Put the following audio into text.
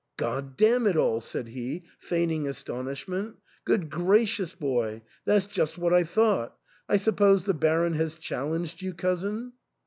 God damn it all," said he, feigning astonish ment '* Good gracious, boy ! that's just what I thought. I suppose the Baron has challenged you, cousin